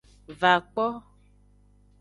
Va kpo.